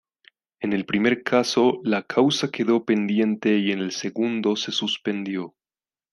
En el primer caso la causa quedó pendiente y en el segundo, se suspendió.